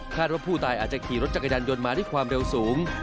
ว่าผู้ตายอาจจะขี่รถจักรยานยนต์มาด้วยความเร็วสูง